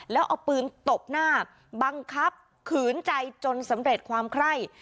แล้วเอาปืนตบหน้าบังคับขืนใจจนสำเร็จความไคร่